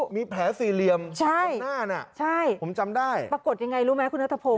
มีแผลสี่เหลี่ยมตรงหน้าน่ะใช่ผมจำได้ปรากฏยังไงรู้ไหมคุณนัทพงศ